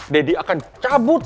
deddy akan cabut